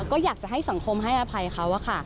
ก็อยากจะให้สังคมให้อภัยเขาอะค่ะ